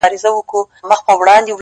• خامکي غاړه نه لرم نوې خولۍ نه لرم ,